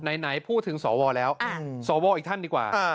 ไหนพูดถึงสวแล้วสวอีกท่านดีกว่า